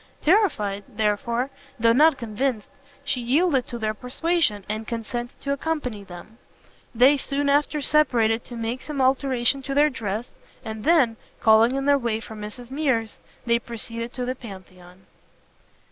Terrified, therefore, though not convinced, she yielded to their persuasions, and consented to accompany them. They soon after separated to make some alteration in their dress, and then, calling in their way for Mrs Mears, they proceeded to the Pantheon.